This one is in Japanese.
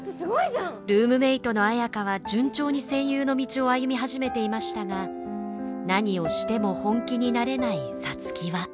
ルームメートの綾花は順調に声優の道を歩み始めていましたが何をしても本気になれない皐月は。